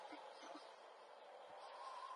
埃姆人口变化图示